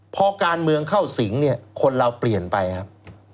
พอการเมืองเข้าสิงเนี่ยคนเราเปลี่ยนไปครับ